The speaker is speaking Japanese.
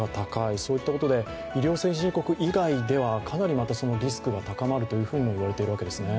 そういったことで、医療先進国以外ではかなりリスクが高まるというふうにも言われているわけですね。